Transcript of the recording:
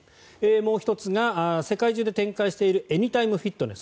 もう１つが世界中で展開しているエニタイムフィットネス。